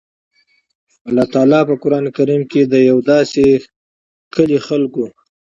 الله تعالی په قران کريم کي د يو داسي کلي خلکو